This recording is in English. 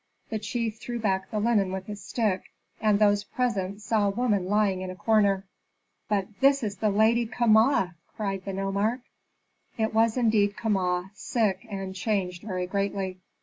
The chief threw back the linen with his stick, and those present saw a woman lying in a corner. "But this is the Lady Kama!" cried the nomarch. It was indeed Kama, sick and changed very greatly.